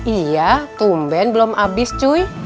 iya tumben belum habis cuy